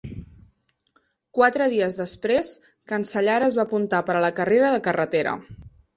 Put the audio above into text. Quatre dies després, Cancellara es va apuntar per a la carrera de carretera.